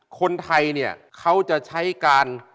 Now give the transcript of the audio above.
คนไทยเนี่ยเขาจะใช้การ